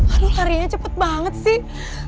aduh karyanya cepet banget sih